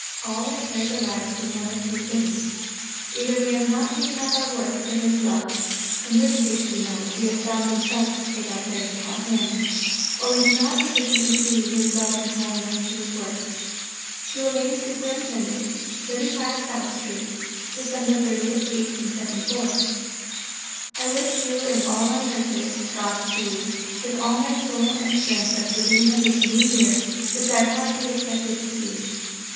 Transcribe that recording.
All our cares arise from one of two things: either we have not taken up our work for His love, in which case we know He has bound Himself to take our cares upon Him: or we do not sufficiently see His love in calling us to His work. (To a Lady Superintendent.) 35 SOUTH STREET, Dec. 30 . I wish you and all our Nurses "God Speed" with all my soul and strength at the beginning of this New Year which I hardly expected to see.